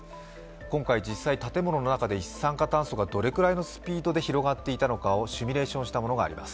今回、実際、建物の中で一酸化炭素がどれぐらいのスピードで広がったのかシミュレーションしたものがあります。